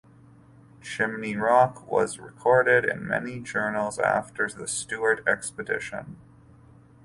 Chimney Rock was recorded in many journals after the Stuart expedition.